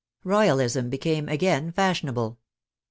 Royalism became again fashionable.